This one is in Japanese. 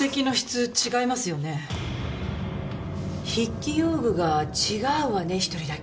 筆記用具が違うわね１人だけ。